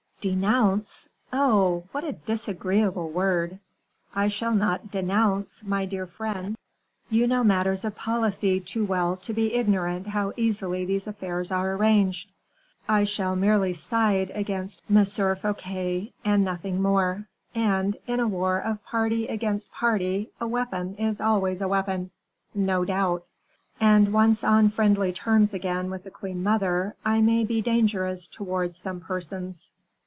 "'Denounce!' Oh! what a disagreeable word. I shall not 'denounce' my dear friend; you know matters of policy too well to be ignorant how easily these affairs are arranged. I shall merely side against M. Fouquet, and nothing more; and, in a war of party against party, a weapon is always a weapon." "No doubt." "And once on friendly terms again with the queen mother, I may be dangerous towards some persons."